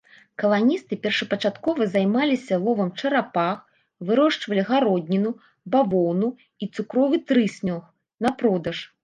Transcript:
Каланісты першапачаткова займаліся ловам чарапах, вырошчвалі гародніну, бавоўну і цукровы трыснёг на продаж.